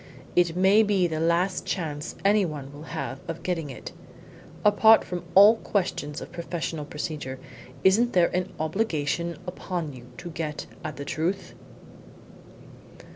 It may be the last chance anyone will have of getting it. Apart from all questions of professional procedure, isn't there an obligation upon you to get at the truth?"